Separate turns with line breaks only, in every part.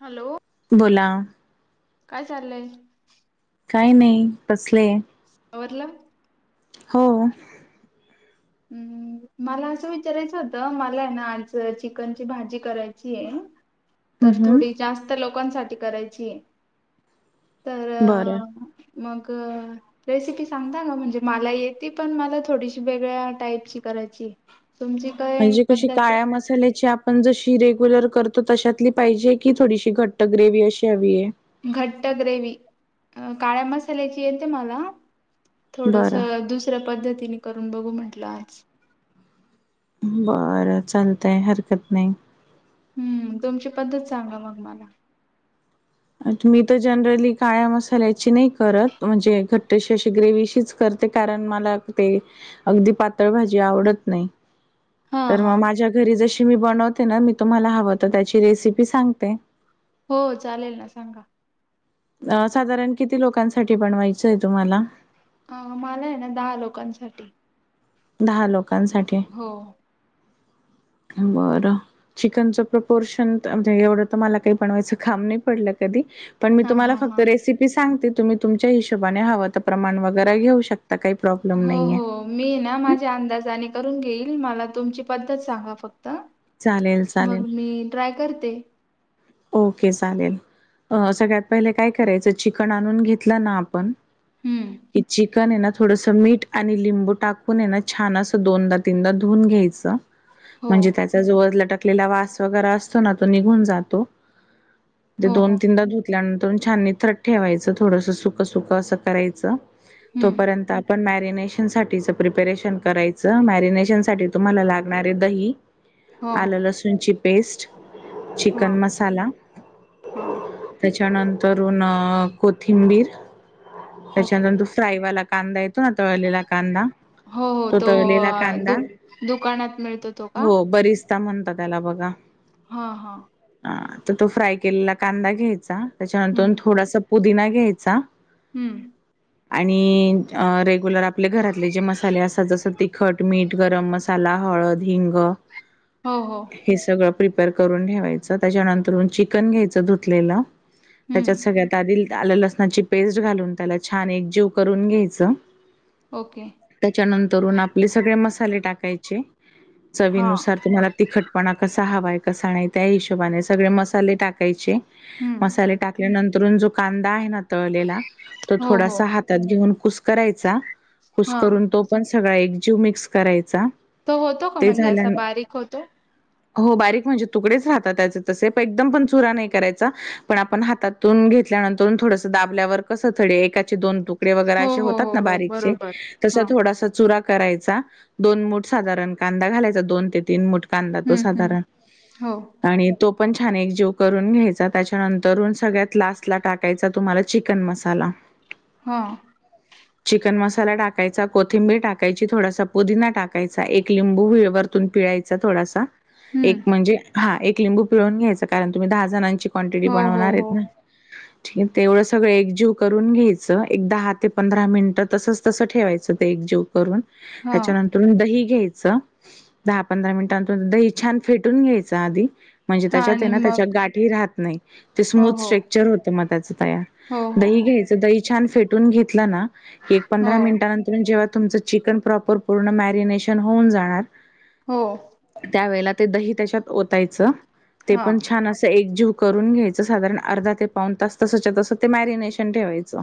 Hello
बोला
काय चाललंय?
काय नाही बसले
आवरलं?
हो.
हम्मम मला असं विचारायचं होतं मला आहे ना आज चिकनची भाजी करायची आहे तर थोडी
हम्म
जास्त लोकांसाठी करायची तर अ,
बरं
मग रेसिपी सांगता का म्हणजे मला येते पण मला थोडीशी वेगळ्या टाईपची करायची. तुमची काय
म्हणजे कशी
पद्धत आहे
काळ्या मसाल्याची आ पण जशी रेग्युलर करतो तशातली पाहिजे की थोडीशी घट्ट ग्रेवी अशी हवी आहे?
घट्ट ग्रेवी, अ काळ्या मसाल्याची येते मला
बरं
थोडसं दुसऱ्या पद्धतीने करून बघू म्हटलं आज
बरं चालतंय हरकत नाही
हम्म तुमची पद्धत सांगा मग मला
मी तर जनरली काळ्या मसाल्याची नाही करत म्हणजे घट्टशी अशी ग्रेवशीच कर ते कारण मला ते अगदी पातळ भाजी आवडत नाही
हा
तर
हा
मग माझ्या घरी जशी मी बनवते ना मी तुम्हाला हवं त्याची रेसिपी सांगते
हो चालेल ना सांगा
अ साधारण किती लोकांसाठी बनवायचंय तुम्हाला?
हा मला आहे ना दहा लोकांसाठी.
दहा लोकांसाठी
हो
बरं चिकनचं प्रपोर्शन म्हणजे एवढं तर मला काही बनवायचं काम नाही पडलं कधी. पण मी
हा
तुम्हाला
हा हा
फक्त रेसिपी सांगते तुम्ही तुमच्या हिशोबाने हवं तर प्रमाण वगैरे घेऊ शक
हो हो मी ना माझ्या अंदाजाने करून घेईल मला तुमची पद्धत सांगा फक् त
चालेल चालेल
मग मी ट्राय करते
ओके चालेल. अ सगळ्यात पहिले काय करायचं चिकन आणून घेतलं ना आपण
हम्म
[unintelligible] चिकन आहे ना थोडस मीठ आणि लिंबू टाकून ये ना छान असं दोनदा तनदा धुवून घ्यायचं
हो
म्हणजे त्याचा जो लटकलेला वास वगैरे असतो ना तो निघून जातो ते
हो हो
दोन तीनदा धुतल्यानंतर छाननीथट ठेवायचं थोडस सुक सुक असं करायचं
हम्म
तोपर्यंत आपण मॅ मरिनेशन सा प्रिपेरेशन करायचं मॅरिनेशन साठी तुम्हाला लागणारे दही
हो
आल लसूणची पेस्ट
हा
चिकन मसा
हा
त्याच्यानंतरून कोथिंबीर
ओके
त्याच्यानंतर तो फ्राईवाला कांदा येतो ना तळलेला कांदा
हो हो
तो तळलेला
अ, दु
कांदा
दुकानात मिळतो तो का
हो बरीच म्हणत त्याला बघा
हा हा.
तर तो फ्राय केलेला कांदा घ्यायचा
हम्म
त्याच्यानंतर थोडासा पुदिना घ्यायचा
हम्म.
आणि रेग्युलर आपले घरातले जे मसाले असतात जस तिखट मीठ गरम मसाला हळ हिंग
हो हो
हे सगळं प्रिपेअर करून ठेवायचं त्याच्यानंतर चिकन घ्यायचं धुतलेला त्याच्यात
हम्म
सगळ्यात आध आलं लसणाची पेस्ट घालून त्याला छान एक जीव करून घ्यायचं
ओके
त्याच्यानंतरून आपले सगळे मसाले टाकायचे
हा
चवीनुसार तुम्हाला तिखटपणा कसा हवाय कसा नाही त्या हिशो स मले टाकायचे
हम्म
मसाले टाकल्यानंतर जो कांदा आहे ना
हो हो
थोडासा हातात घेऊन कुस करायचा कुस
हा
करून तो पण सगळा एक जीव मिक्स करायचा.
तो होतो का
ते
म्हणजे
झाल्या
असा बारीक होतो.
हो बारीक म्हणजे तुकडेच राहत एकदम पण चरा नाही करायचा पण आपण हातातून घेतल्यानंतर थोडस दाबल्यावर तसा कडे एकाचे दोन तुकडे वगैरे
हो
असे
हो
होतात
हो
ना
हो
बारीक चे
बरोबर
तसं
हा
थोडसं चुरा करायचा दोन मुठ साधारण कांदा घालायचा दोन ते तीन मुठ कांदा तो
हं, हं.
साधारण
हो.
आणि तो पण छान एक जीव करून घ्यायचा त्याच्यानंतरून सगळ्यात लास्ट ला टाकायचा तुम्हाला चिकन मसाला ला.
हा.
चिकन मसाला टाकायचा कोथिंबीर टाकायची थोडासा पुदिना टाकायचा एक लिंबू हळवर एक लिंबू पिळायचा थोडासा
हं.
एक म्हणजे एक लिंबू पिळून कारण तुम्ही दहा जणांची क्वांटिटी
हो,
पण
हो,
होणार आहेत
हो.
ना. ठीक आहे तेवढं सगळं एकजीव करून घ्यायचं एक दहा ते पंधरा मिनट तसच तसं ठेवायचं ते एकजीव करून
हां.
त्याच्यानंतरून दही घ्यायच दहा पंधरा मिनिटांतून दही छान फेटून घ्यायचं आधी म्हणजे
हां
त्याच्यात
आणि
ना त्या
मग
गाठी राहत नाही
हो,
स्म
हो.
स्ट्रक्चर होत मग त्याचं होत म तयार
हो, हो,
दही दही
हो.
घ्यायचं दही छान फेटून घेतलं ना ते
हो,
पंधरा मिनिटात नंतरहून जेव्हा तुमचं चिकन प्रॉपर पूर्ण मॅरिनेशन होऊन जाणार
हो.
त्यावेळेला दही त्याच्यात ओतायचं ते
हां.
पण छान असं एक जीव करून घ्यायचं साधारण अर्धा ते पान तास तसाच्या तसं ते मॅरिनेशन ठेवायचं.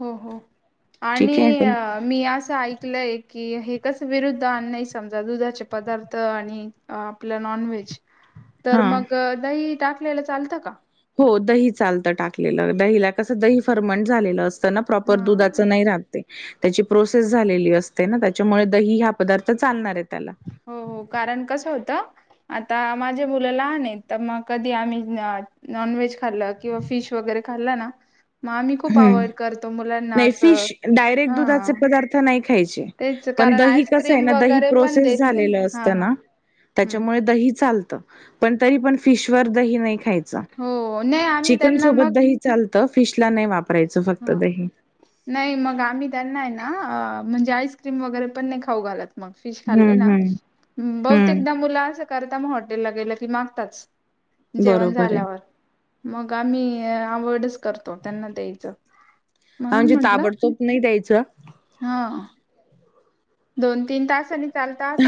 हो हो
ठीक
आणि
आहे. ते
मी असं ऐकलंय हे की कस विरुद्ध नाही समजा दुधाचे पदार्थ आणि आपलं नॉनव्हेज तर
हां.
मग दही टाकलेला चालतं का?
हो दही चालतं टाकलेलं दहीला कसं दही फरमंट झालेलं असत ना प्रॉपर दुधां
हां.
नाही राहत ते त्याची प्रोसेस झालेली असते ना त्याच्यामुळे दही हा पदार्थ चालणार आहे त्याला.
हो हो. कारण कसं होत आता माझ्या मुलाला आहे तर मग कधी आम्ही नॉन व्हेज खाल्ल किंवा फिश वगैरे खाल्ला ना मग आम्ही खूप
हम्म
अवॉइड करतो मुलांना
नाही.
असं
फिश डायरेक्ट दुधाचे
हा
पदार्थ नाही
तेच
पण
कारण
दही कस आहे
आईस्क्रीम
ना दही
वगैरे पण
प्रोसेस
देत नाही
झालेलं
हा
असत
हा
ना.
हम्म
त्याच्यामुळे दही चालत पण तरी पण फिशवर दही नाही
हो नाही आम्ही
चिकन
त्यांना
सोबत
मग
द चालत फिश ला नाही वापर
हा नाही मग आम्ही त्यांना आहे ना म्हणजे आईस्क्रीम वगैरे पण नाही खाऊ घालत मग फिश खाल्लं
हम्म
ना
हम्म. हम्म
बहुतेकदा मुलं असं करता मग हॉटेलला गेलं की मागताच जेवण
बरोबर आहे.
झाल्यावर. मग आम्ही अव्हॉइड करतो त्यांना द्यायचं.
हा
म्हणून
म्हणजे
म्हंटलं
ताबडतोब नाही द्यायचं
हा. दोन, तीन तास आणि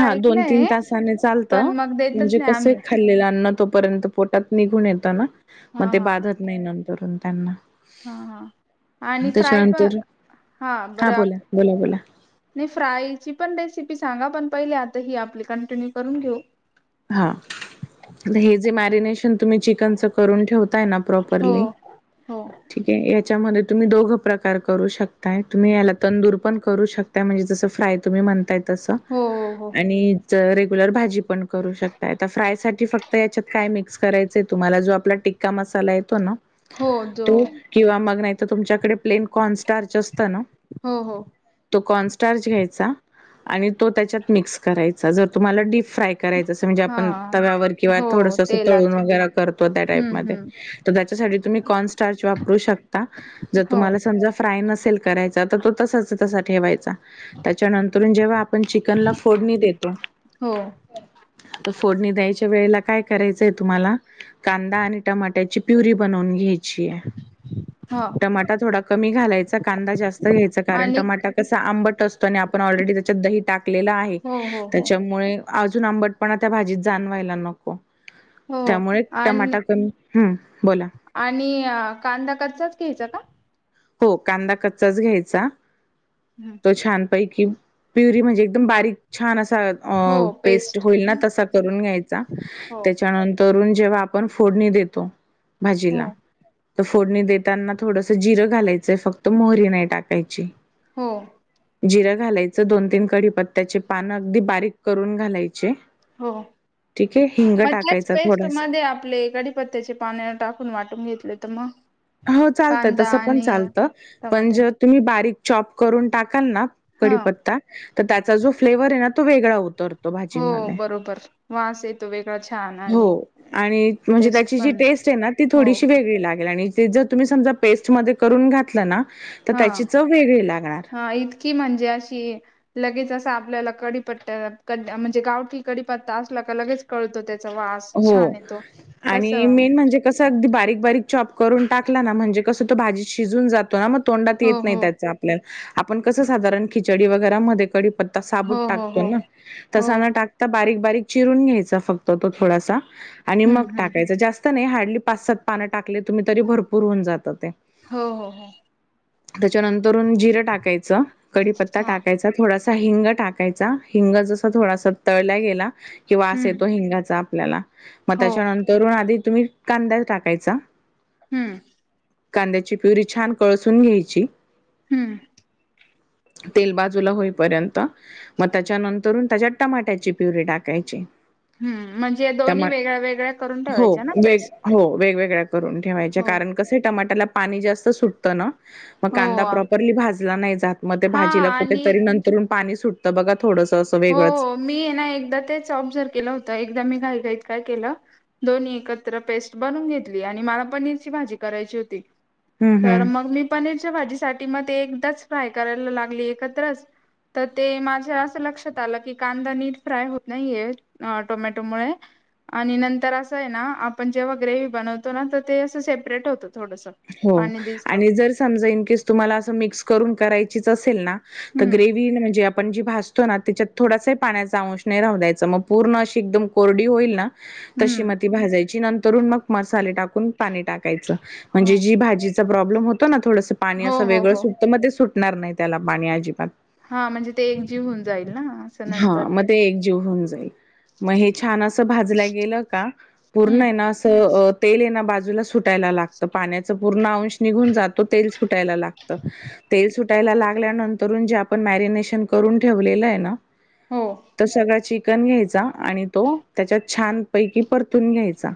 हा दोन, तीन तासाने चालतं
पण मग देतच
म्हणजे
नाही
कस
आम्ही
खाल्लेलं अन्न तोपर्यंत पोटात निघून येत ना
हा
मग ते
हा
बाधत नाही नंतरून त्यांना.
हा हा आणि फ्राय प
त्याच्यानंतर
हा बर.
बोला बोला बोला
नाही. फ्रायची पण रेसिपी सांगा पण पहिले आता ह आपली कंटिन्यू करून घेऊ.
हा हे जे मॅरिनेशन तुम्ही चिकनचं करून ठेवताय ना
हो
प्रॉपरली
हो
ठीक आहे. त्याच्यामध्ये तुम्ही दोघ प्रकार करू शकताय. तुम्ही याला तंदूर पण करू शकताय म्हणजे जसं फ्राय तुम्ही म्हणताय. तस
हो हो
आणि रेग्युलर भाजी पण करू शकतायता फ्राय साठी फक्त याच्यात काय मिक्स करायचंय तुम्हाला जो आपला टिक्का मसाला येतो ना
हो जो
तू किंवा मग नाही तर तुमच्याकडे प्लेन कॉनस्टारच असत ना.
हो हो.
कॉनस्टार्च घ्यायचा आणि तो त्याच्यात मिक्स करायचा जर तुम्हाला डीप फ्राय करायचं असं म्हणजे
हा
आपण तव्यावर किंवा
हो
थोडंस तळून
तेलात
वगैरे करतो त्या टाईप
हम्म
मध्ये
हम्म
तर त्या त्यासाठी तुम्ही कॉर्न स्टार्च वापरू शकता, जर समजा
हो
तुम्हाला फ्राय नसेल करायचा तर तो तसाच तसा ठेवायचा. त्याच्यानंतरून जेव्हा आपण चिकनला फोडणी देतो
हो
आता फोडणी द्यायच्या वेळेला काय करायचंय तुम्हाला कांदा आणि टमाट्याची प्युरी बन आणनून घ्यायचीहे.
हा
टमाटा थोडा कमी घालायचा कांदा जास्त घ्यायचा कारण
आणि
टमाटा कसा आंबट असतो ना पण ऑलरेडी त्याच्यात दही टाकलेला आहे
हो हो हो
त्याच्यामुळे अजून आंबटपणा त्या भाजीत जाणवायला नको.
हो
त्यामुळे
आणि
टमाटा कमी हम्म बोला.
आणि कांदा कच्चाच घ्यायचा का?
हो. कांदा कच्चाच घ्यायचा तो छान पैकी प्युरी म्हणजे एकदम बारीक छान अस तर पेस्ट होईलना तसं करून घ्यायचं
हो
त्याच्या नंतरुन जेव्हा आपण फोडणी देतो
हो
भाजीला तर फोडून देताना थोडसं जिरं घालायचंय फक्त मोहरी नाही टाकायची.
हो.
जिरं घालायचं दोन, तीन कढीपत्त्याचे पान अगदी बारीक करून घालायची.
हो. मधल्याच
टाकायचा
पेस्ट
थोडासा
मध्ये आपले कडीपत्त्याचे पान टाकून वाटून घेतले तर मग
हो चालतंय
कांदा
तसं पण
आणि
चालतं पण
टमाटे
जे तुम्ही बारीक चॉप करून टाकाल ना.
हा
कढीपत्ता तर त्याचा जो फ्लेवर आहे ना तो वेगळा उतरतो. तो
हो
भाजीमध्ये
बरोबर वास येतो वेगळा छान
हो
आणि
आणि म्हणजे
टेस्ट
त्याची जी
पण
टेस्ट ती
हो
थोडीशी वेगळी लागेल आणि जर तुम्ही समजा पेस्ट मध्ये करून घातलंना
हा हा इतकी म्हणजे अशी लगेच असा आपल्याला कडीपत्ता म्हणजे गावठी कडीपत्ता असला तर लगेच कळतो त्या आज
हो.
छान येतो.
आणि मेन
हो
म्हणजे कसं अगदी बारीक बारीक चॉप करून टाकला ना म्हणजे कसं तो भाजी त
हो
नाही आप कधण पत्ता साबूत
हो हो
टाकतो
हो
ना
हो
तसा ना टाकता बारीक बारीक चिरून घ्यायचा फक्त तो थोडासा. आणि
हम्म
मग
हम्म
टाकायच जास्त नाही हार्डली पाच सात पानं टाकले तुम्ही तरी भरपूर होऊन जात ते
हो हो हो.
त्याच्यानंतरून जिरं टाकायचं कडीीपत्ता
हा
टाकायचा थोडासा हिंग टाकायचा हिंग जसा थोडासा तळला गेला किंवा अस
हम्म
येतो हिंगाचा ल्याला मग
हो
त्याच्यानंतरून आधी तुम्ही कांदा्या टाकायचा.
हम्म.
कांद्याची प्युरी छान कळसून घ्यायची.
हम्म.
तेल बाजूला होईपर्यंत मग त्याच्यानंतर तरून त्याच्यात टमाट्याची प्युरी टाकायची.
हम्म म्हणजे दोन्ही
टमा
वेगळ्या वेगळ्या करून
हो
ठेवायच्या ना
वेग
पेस्ट
हो वेगवेगळ्या करून ठेवायच्या
हो
कारण कसे टमाटाला पाणी जास्त सुटतं ना. मग
हो
कांदा प्रॉपरली भाजला नाही जात मग ते
हा
भाजीला
आणि
कुठेतरी नंतर पाणी सुटतं बघ.
हो हो मी ना एकदा तेच ऑब्झर्व केलं होत. एक मी घाई घाईत काय केलं दोन् एकत्र पेस्ट बनून घेतली आणि मला पनीरची भाजी करायची.
हं हं
[unintelligible] मग एकदाच फ्राय करायला लागली एकत्र तर ते माझ लक्षात. ला की कांदा नीट फ्राय होत नाहीये टोमॅटोमुळे आणि नंतर असं आहे ना आपण जेव्हा ग्रेव बनवतो ना तर ते असं सेपरेट होत.
हो आणि जर समजा इनकेस तुम्हाला असं मिक्स करून करायचीच असेल ना. तर
हम्म
ग्रेव म्हणजे आपण जी भासतो ना त्याच्यात थोडासा पाण्याचा अंश नाही राह द्यायच मग पूर्ण अशी एकदम कोरडी होईल ना. तशी
हम्म
मग ती भाजायची नंतरून मग मसाले टाकून पाणी टाकायचं.
हो
म्हणजे जी भाजीचा प्रॉब्लेम होतो ना थोडंस पाणी
हो
अस
हो
वेगळं
हो
सुटत मग तेट. नणार नाही त्याला पाणी अजिबात
हा म्हणजे ते एकजीव होऊन जाईल ना असं नंतर
जा मग छ गे का पूर्ण
हम्म
अस ते आहे ना बाजूला सुटायला. पाण्याच पूर्ण अंश निघून जातो तेल सुटायला लागत तेल सुट लागल्यांतर आप मशन करून ठेव
हो
स. चिक घ्यायचा आणि तो त्याच्या छानपैकी परतून घ्यायचा.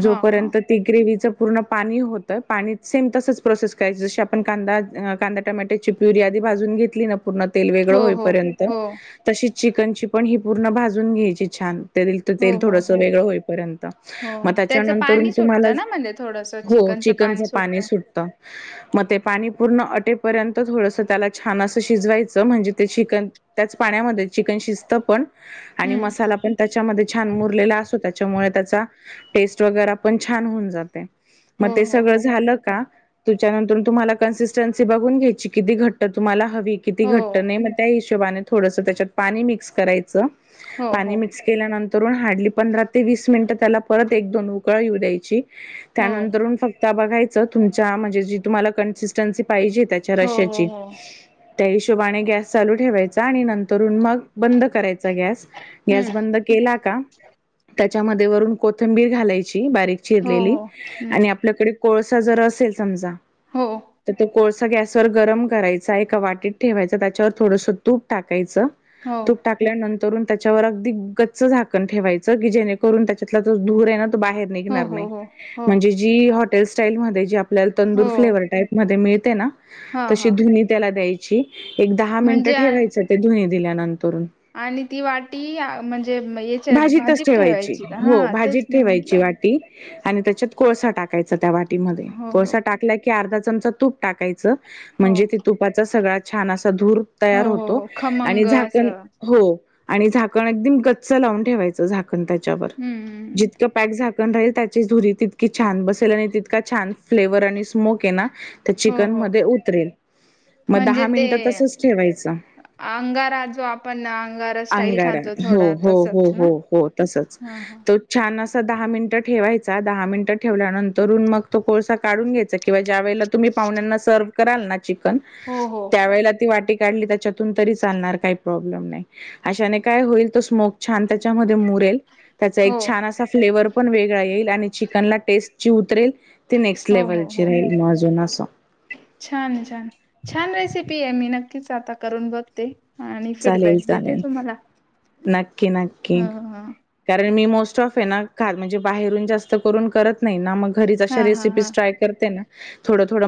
हा हा
जोपर्यंत ती ग्रेवच. पूर्ण पाणी होतं पाणी सेम तसच प्रोसेस करायचं ज आपण कांदा कांदा टमॅट्याचीि प्युरी आ जून घेतली. पूर्ण तेल वेगळं
हो हो
होईपर्यंत
हो
तशीच चिकनची पण ही पूर्ण भाजून घ्यायची छान. तर तेल
हो हो
थोडस
हो
वेगळं होईपर्यंत
हो
मग
त्याचं
त्याच्यानंतर
पाणी
तुम्हाला
सुटतं ना म्हणजे
हो चिकनचं पाणी सुटत.
ह.
मग ते पाणी पूर्ण अटेपर्यंत थोडस त्याला छान असं शिजवायचं म्हणजे ते चिकन त्याच पाण्यामध्ये चिकन शिस्त पण आणि
हम्म
मसाला पण त्याच्यामध्ये छान मुरलेला असो त्या त्यामुळे त्या टेस्ट वग पण छान होऊन जाते मग
हो
ते
हो
सगळं झालं का? तुच्यानंतर तुम्हाला कन्सिस्टन्सी बघून घ्यायची किती घट्ट तुम्हाला हवी किती
हो
घट नाही मग त्या हिशोबाने थोडंस त्याच्यात पाणी मिक्स करायचं.
हो
पाणी
हो हो
मिक्स केल्यानंतर हार्डली पंधरा ते वस मिनट त्याला परत एक दोन उकळ येऊ द्यायची
हो
त्यानंतर फक्त बघा. त म्हणज त कजे
हो हो
त्याची
हो
त्या हिशोबाने गॅस चालू ठेवायचा आणि नंतर. करुन मग. बंद करायचा गॅस. गॅस
हम्म
बंद केला का. त्या च्या मध्ये वरून कोथंबीर घालायची बारीक
हो
चिरलेली.
हो हम्म
आणि आपल्या कडे कोळसा जर असेल समजा.
हो
तर तो कोळसा गॅस वर गरम करायचा. एका वाटीत ठेवायचा. त्याच्यावर थोडसं तूप टाक टाकायच.
हो
तूप टाकल्यानंतर. त्याच्यावर. अगदी गच्च झाकण ठेवायचं. की जेणेकरून त्याच्यातला जो धूर हायना तो. तो बाहेर
हो
निघणार
हो
नाहीं.
हो हो
आपल्याला तंदूर
हो
फ्लेवर टाईप मध्ये मिळते ना.
हा
तशी
हा
धुनी त्याला द्यायची. एक दहा मिनिटं
म्हणजे आ-
ठेवायचं ते धुनी दिल्यानंतर.
आणि ती वाटी म्हणजे? याच्यात
भाजीतच
भाजीत
ठेवायची.
का
हो
हा
भाजीत
तेच मी म्हटलं
ठेवायची वाटी. आणि त्याच्यात कोळसा टाकायचा. त्या वाटीमध्ये
हो हो
कोळसा टाकला की अर्धा चमचा तूप टाकायचं
हो
म्हणजे ते तुपाच सगळं छन अस असा धूर
हो
तयार
हो
होतो.
हो खमंग
आणि झाकण
असं
हो. झाकण आगदी गच्च लावून ठेवायच. झाकण त्यावर
हम्म हम्म.
जितक पॅक झाकलं कुन राहील. त्याची धुरी तितकी छान बसेल. आणि तितका छान फ्लेवर आणि स्मोक येणार. त्या
हो
चिकन
हो
मध्ये उतरेल. मग
म्हणजे
दहा
ते
मिनिट तसच ठेवायचं.
अंगारा जो आपण ना. अंगार स्टाईल
अंगारा
खातो
हो
थोडा.
हो.
तसच ना
हो.. हो. तसच.
हा हा
अस दहा मिनिट ठेवायचा. दहा मिनट ठेवल्यानंतरुण मग. तो कोळसा काढून घ्यायचा किंवा ज्या वेळेला. तुम्ही पाहुण्यांना सर्व्ह करालाना चिकन.
हो हो
त्या वेळेला ती वाटी त्यांनी त्याच्यातून तरी चालणार काही प्रॉब्लेम नाही. अशाने काय होईल. तो स्मोग छान. त्याच्यामध्ये मुरेल. त्याचा
हो
एक छान असा फ्लेवर पण वेगळा येईल. आणि चिकनला टेस्टजी उतरेल ती नेक्स्ट
हो. हो.
लेव्हलची
हो.
राहील मग अजून असं.
छान-छान-छान रेसिपी पी. ए. मी नक्कीच आता करून बघते. आणि फीडबॅक देते तुम्हाला. ह
नक्की-नक्की
ह
कारण मी मोस्ट ऑफ आहे ना. म्हणजे बाहेरून जास्त करून करत नाही ना मग घरीच
हा
असे
हा
रेसिपी
हा
ट्राय करते. थोडं-थोडं.